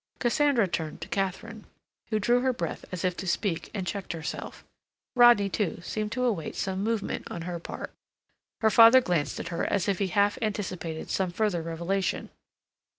Cassandra turned to Katharine, who drew her breath as if to speak and checked herself; Rodney, too, seemed to await some movement on her part; her father glanced at her as if he half anticipated some further revelation.